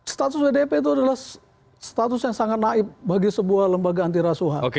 status wdp itu adalah status yang sangat naib bagi sebuah lembaga antirasuah